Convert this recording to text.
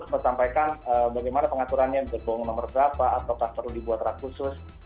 sudah sampaikan bagaimana pengaturannya berbongong nomor berapa atau apakah perlu dibuat rak khusus